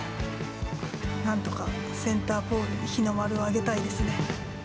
なんとかセンターポールに日の丸を揚げたいですね。